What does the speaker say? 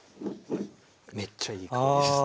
めっちゃいい感じです。